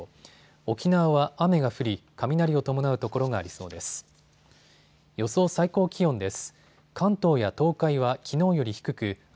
沖縄は雨が降り雷を伴う所がありそうです。